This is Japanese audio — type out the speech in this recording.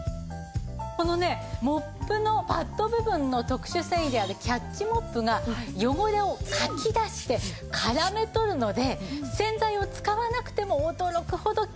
このねモップのパッド部分の特殊繊維であるキャッチモップが汚れをかき出して絡め取るので洗剤を使わなくても驚くほどきれいになるんです。